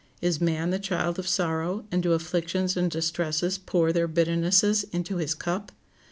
Is man the child of sorrow, and do afflictions and distresses pour their bitternesses into his cup?